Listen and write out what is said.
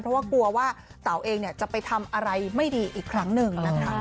เพราะว่ากลัวว่าเต๋าเองจะไปทำอะไรไม่ดีอีกครั้งหนึ่งนะคะ